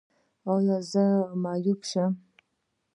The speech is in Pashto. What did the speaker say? ایا زه به معیوب شم؟